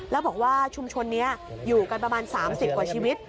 แล้วบอกว่าชุมชนนี้อยู่กันประมาณ๓๐กว่าชีวิต